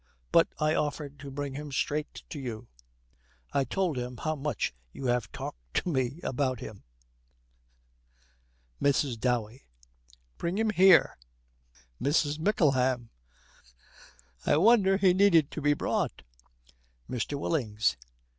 But I offered to bring him straight to you. I told him how much you had talked to me about him.' MRS. DOWEY. 'Bring him here!' MRS. MICKLEHAM. 'I wonder he needed to be brought.' MR. WILLINGS.